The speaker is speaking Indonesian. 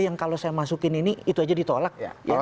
yang kalau saya masukin ini itu aja ditolak